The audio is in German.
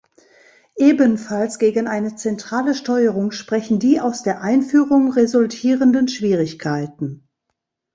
Ebenfalls gegen eine zentrale Steuerung sprechen die aus der Einführung resultierenden Schwierigkeiten.